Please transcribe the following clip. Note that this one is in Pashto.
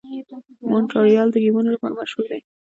مونټریال د ګیمونو لپاره مشهور دی.